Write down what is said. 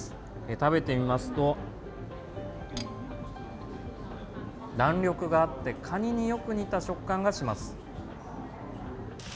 食べてみますと、弾力があって、カニによく似た食感がします。